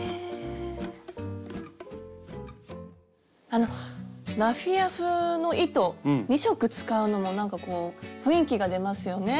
あのラフィア風の糸２色使うのもなんかこう雰囲気が出ますよね。